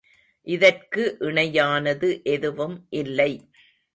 இதற்கு இணையானது எதுவும் இல்லை.